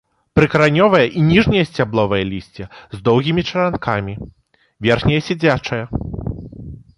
Прыкаранёвае і ніжняе сцябловае лісце з доўгімі чаранкамі, верхняе сядзячае.